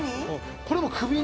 「これも首に」